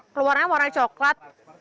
keluarnya warna coklat